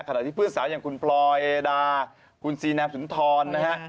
ที่เพื่อนสาวอย่างคุณพลอยดาคุณซีแนมสุนทรนะฮะ